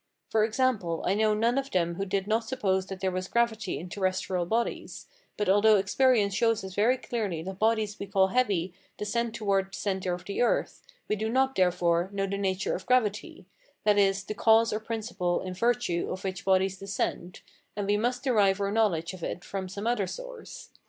For example, I know none of them who did not suppose that there was gravity in terrestrial bodies; but although experience shows us very clearly that bodies we call heavy descend towards the center of the earth, we do not, therefore, know the nature of gravity, that is, the cause or principle in virtue of which bodies descend, and we must derive our knowledge of it from some other source.